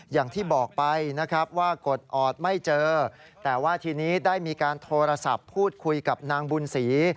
อย่างที่บอกไปนะครับว่ากดออดไม่เจอแต่ว่าทีนี้ได้มีการโทรศัพท์พูดคุยกับนางบุญศรี